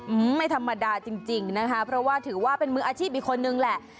อืมไม่ธรรมดาจริงจริงนะคะเพราะว่าถือว่าเป็นมืออาชีพอีกคนนึงแหละ